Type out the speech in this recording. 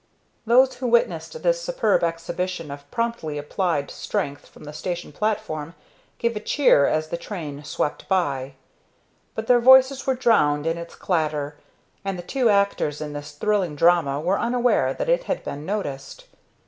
Those who witnessed this superb exhibition of promptly applied strength from the station platform gave a cheer as the train swept by, but their voices were drowned in its clatter, and the two actors in their thrilling drama were unaware that it had been noticed.